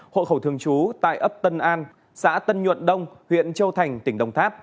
hộ khẩu thường trú tại ấp tân an xã tân nhuận đông huyện châu thành tỉnh đồng tháp